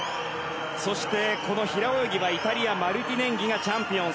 そして、平泳ぎはイタリアマルティネンギがチャンピオン。